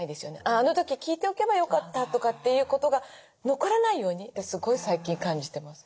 あの時聞いておけばよかったとかっていうことが残らないようにってすごい最近感じてます。